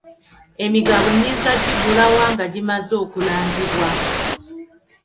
Emigabo nnyinza kugigula wa nga gimaze okulangibwa?